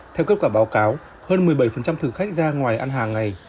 theo kết quả báo cáo hơn một mươi bảy thực khách ra ngoài ăn hàng ngày